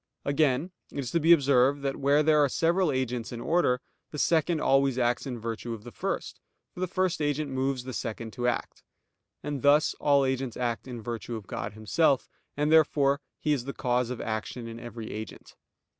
Again it is to be observed that where there are several agents in order, the second always acts in virtue of the first; for the first agent moves the second to act. And thus all agents act in virtue of God Himself: and therefore He is the cause of action in every agent.